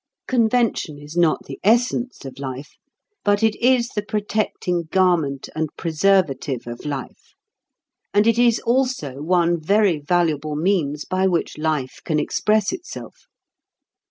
Convention is not the essence of life, but it is the protecting garment and preservative of life, and it is also one very valuable means by which life can express itself.